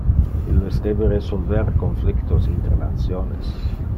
Illes debe resolver conflictos inter nationes.